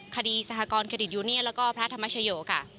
คดีสหกรเครดิตยูเนียนและก็พระธรรมชโย